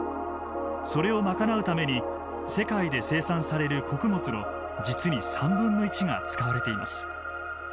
それを賄うために世界で生産される穀物の実に３分の１が使われています。